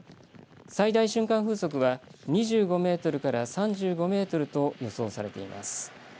最大瞬間風速は２５メートルから３５メートルと予想されています。